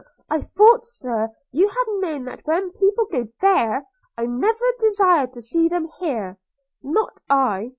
I thought, Sir, you had known that when people go there, I never desire to see them here, not I.